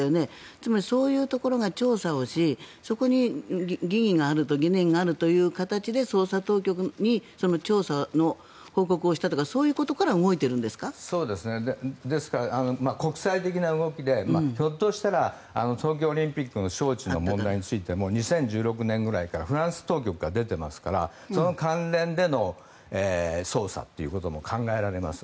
つまりそういうところが調査をしそこに疑念があるという形で捜査当局に調査の報告をしたとかそういうことから国際的な動きでひょっとしたら東京オリンピックの招致の問題についても２０１６年ぐらいからフランス当局が出ていますからその関連での捜査ということも考えられます。